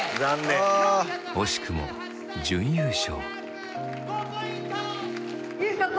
惜しくも準優勝。